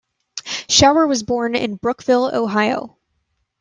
Shower was born in Brookville, Ohio.